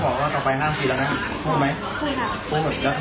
ครับ